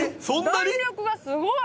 弾力がすごい！